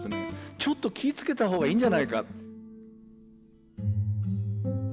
ちょっと気をつけた方がいいんじゃないか。